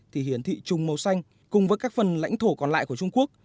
thì hiển thị chung màu xanh cùng với các phần lãnh thổ còn lại của trung quốc